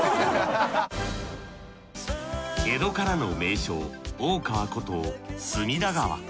江戸からの名所大川こと隅田川。